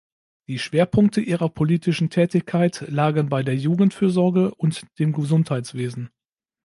Die Schwerpunkte ihrer politischen Tätigkeit lagen bei der Jugendfürsorge und dem Gesundheitswesen.